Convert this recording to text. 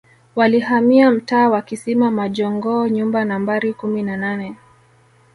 Walihamia mtaa wa Kisima majongoo nyumba Nambari kumi na nane